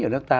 ở nước ta